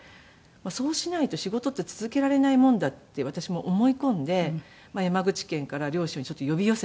そうしないと仕事って続けられないもんだって私も思い込んで山口県から両親をちょっと呼び寄せて。